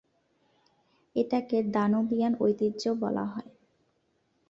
এটাকে দানুবিয়ান ঐতিহ্য বলা হয়।